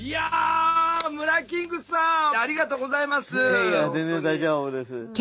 いえいえ全然大丈夫です。